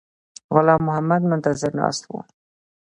غلام محمد منتظر ناست وو.